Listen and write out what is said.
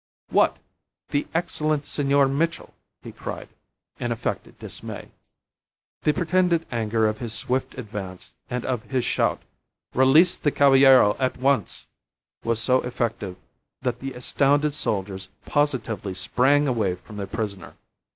"What! The excellent Senor Mitchell!" he cried, in affected dismay. The pretended anger of his swift advance and of his shout, "Release the caballero at once," was so effective that the astounded soldiers positively sprang away from their prisoner.